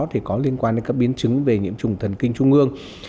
thì có liên quan đến các biến chứng về nhiễm trùng thần kinh trung ương